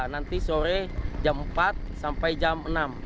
nanti sore jam empat sampai jam enam